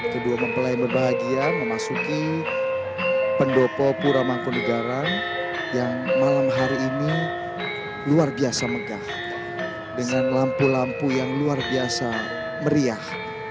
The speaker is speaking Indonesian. kedua mempelai berbahagia memasuki pendopo pura mangkunegara yang malam hari ini luar biasa megah dengan lampu lampu yang luar biasa meriah